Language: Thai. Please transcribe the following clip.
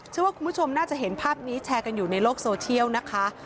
เชื่อว่าคุณผู้ชมน่าจะเห็นภาพนี้แชร์กันอยู่ในโลกโซเชียลนะคะ